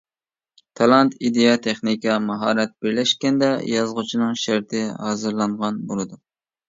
تالانت، ئىدىيە، تېخنىكا، ماھارەت بىرلەشكەندە يازغۇچىنىڭ شەرتى ھازىرلانغان بولىدۇ.